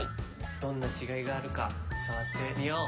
どんなちがいがあるかさわってみよう。